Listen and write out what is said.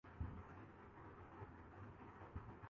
اپنی ڈائری لے جا کر ان یادوں کو اپنی تحریر میں سمونے لگا